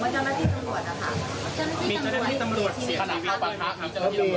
เจ้าหน้าที่ตำรวจเป็นตู้